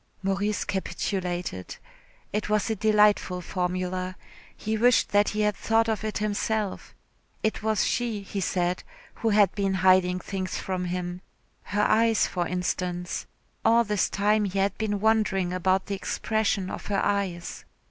Maurice capitulated. It was a delightful formula. He wished that he had thought of it himself. It was she, he said, who had been hiding things from him. Her eyes, for instance. All this time he had been wondering about the expression of her eyes.